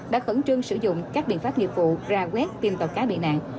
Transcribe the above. đã khẩn trương sử dụng các biện pháp nghiệp vụ ra quyết tìm tàu cá bị nạn